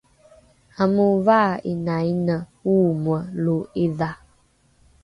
amovaa’inaine oomoe lo’idha